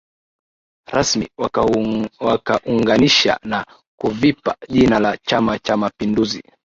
Rasmi wakaunganisha na kuvipa jina la chama cha mapinduzi